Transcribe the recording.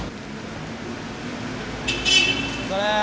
お疲れー。